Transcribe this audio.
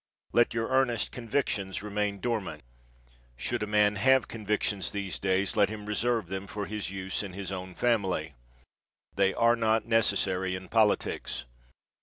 Let your earnest convictions remain dormant. Should a man have convictions these days, let him reserve them for use in his own family. They are not necessary in politics.